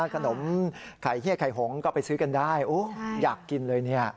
ขนมไข่เฮียไข่หงก็ไปซื้อกันได้อยากกินเลยเนี่ย